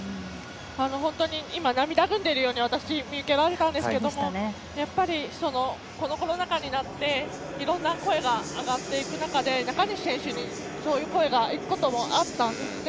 本当に涙ぐんでいるように見受けられたんですけどもこのコロナ禍になっていろんな声が上がっていく中で中西選手にそういう声がいくこともあったんですね。